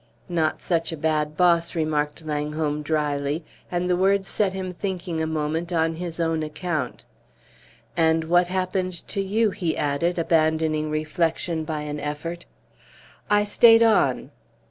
"Not such a bad boss," remarked Langholm, dryly; and the words set him thinking a moment on his own account. "And what happened to you?" he added, abandoning reflection by an effort. "I stayed on."